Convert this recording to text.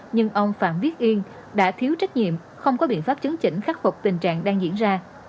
nhưng ông phạm viết yên đã thiếu trách nhiệm không có biện pháp chứng chỉnh khắc phục tình trạng đang diễn ra